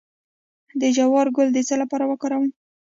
د جوار ګل د څه لپاره وکاروم؟